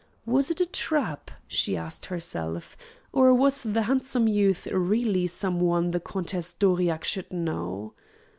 Was it a trap, she asked herself, or was the handsome youth really some one the Countess d'Aurillac should know.